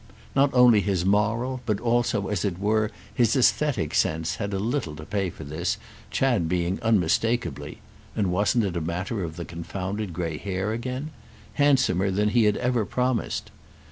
Not only his moral, but also, as it were, his æsthetic sense had a little to pay for this, Chad being unmistakeably—and wasn't it a matter of the confounded grey hair again?—handsomer than he had ever promised.